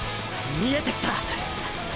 見えてきた！！